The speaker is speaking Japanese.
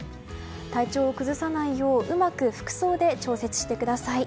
体調を崩さないよううまく服装で調節してください。